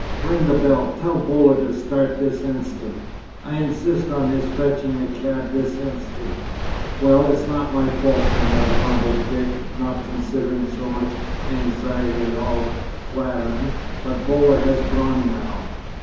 Ring the bell, tell Boaler to start this instant I insist on his fetching a cab this instant!" "Well, it's not my fault, you know," grumbled Dick, not considering so much anxiety at all flattering, "but Boaler has gone now.